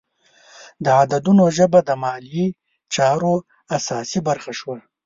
د عددونو ژبه د مالي چارو اساسي برخه شوه.